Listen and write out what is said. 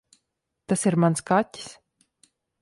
Tas ir mans kaķis.